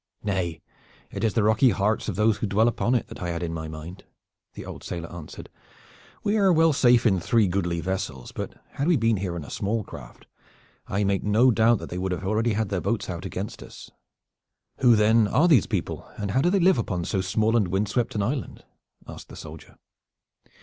"Nay, it is the rocky hearts of those who dwell upon it that I had in my mind," the old sailor answered. "We are well safe in three goodly vessels, but had we been here in a small craft I make no doubt that they would have already had their boats out against us." "Who then are these people, and how do they live upon so small and windswept an island?" asked the soldier.